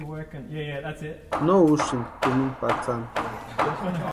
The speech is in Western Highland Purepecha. No úsïnka tumina patsani.